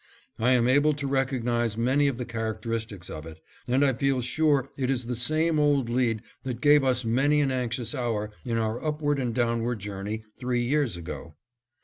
I am able to recognize many of the characteristics of it, and I feel sure it is the same old lead that gave us many an anxious hour in our upward and downward journey three years ago.